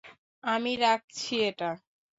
আমি রাখছি এটা।